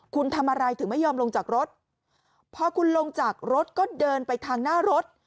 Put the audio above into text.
คุณทำอะไรถึงไม่ยอมลงจากรถพอคุณลงจากรถก็เดินไปทางหน้ารถ